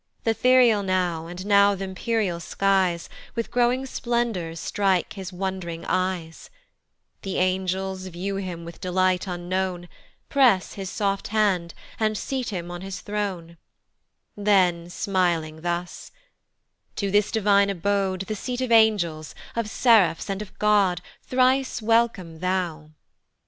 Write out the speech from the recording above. Th' ethereal now, and now th' empyreal skies With growing splendors strike his wond'ring eyes: The angels view him with delight unknown, Press his soft hand, and seat him on his throne; Then smilling thus: "To this divine abode, "The seat of saints, of seraphs, and of God, "Thrice welcome thou."